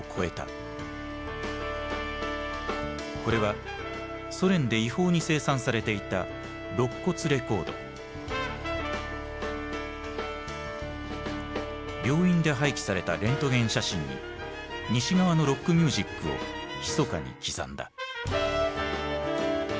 これはソ連で違法に生産されていた病院で廃棄されたレントゲン写真に西側のロックミュージックをひそかに刻んだ。